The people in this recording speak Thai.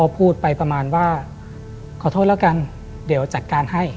พูดไปประมาณว่าขอโทษแล้วกันเดี๋ยวจัดการให้